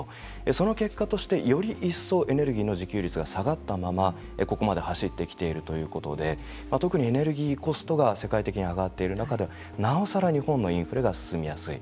その結果としてより一層、エネルギーの自給率が下がったままここまで走ってきているということで特にエネルギーコストが世界的に上がっている中ではなおさら日本のインフレが進みやすい。